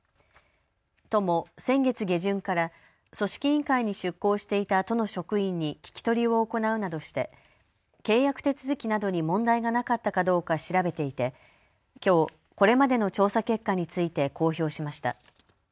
都も先月下旬から組織委員会に出向していた都の職員に聞き取りを行うなどして契約手続きなどに問題がなかったかどうか調べていてきょう、これまでの調査結果について公表しました。